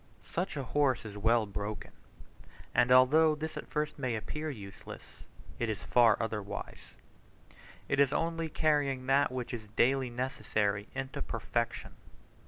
Such a horse is well broken; and although this at first may appear useless, it is far otherwise. It is only carrying that which is daily necessary into perfection.